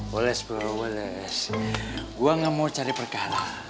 weles bro weles gua gak mau cari perkara